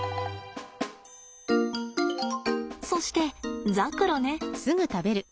そしてザクロね。